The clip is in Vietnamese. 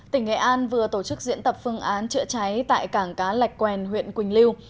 tỉnh nghệ an vừa tổ chức diễn tập phương án trựa cháy tại cảng cá lạch quèn huyện quỳnh liêu